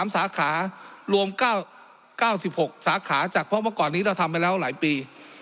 สาขารวม๙๖สาขาจากเพราะเมื่อก่อนนี้เราทำไปแล้วหลายปี